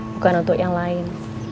bukan untuk yang lain